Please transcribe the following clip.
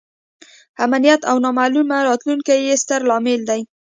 امنیت او نامعلومه راتلونکې یې ستر لامل دی.